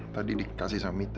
tadi dikasih sama mita